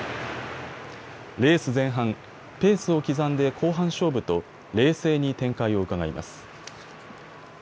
レース前半、ペースを刻んで後半勝負と冷静に展開をうかがいます。